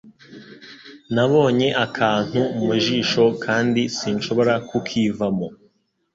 Nabonye akantu mu jisho kandi sinshobora kukivamo.